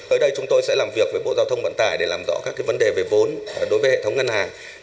tới đây chúng tôi sẽ làm việc với bộ giao thông vận tải để làm rõ các vấn đề về vốn đối với hệ thống ngân hàng